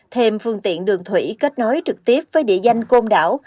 thêm phương tiện đường thủy kết nối trực tiếp với địa danh côn đảo